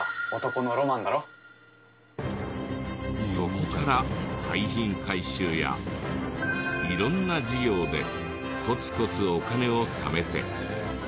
そこから廃品回収や色んな事業でコツコツお金をためて。